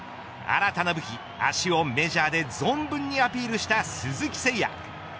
新たな武器、足をメジャーで存分にアピールした鈴木誠也。